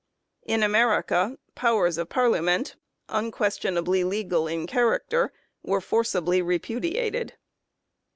In America powers of Parliament, un questionably legal in character, were forcibly repudi ated.